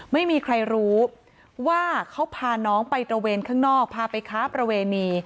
ไม่มีใครรู้ว่าเขาพาน้องไปตระเวนข้างนอกพาไปค้าประเวณี